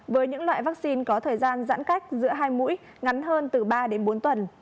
với những loại vaccine có thời gian giãn cách giữa hai mũi ngắn hơn từ ba đến bốn tuần